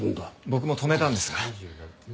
僕も止めたんですが。